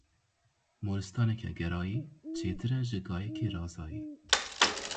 Moristaneke gerayî, çêtir e ji gayekî razayî.